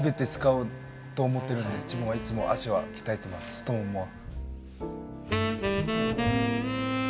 太ももは。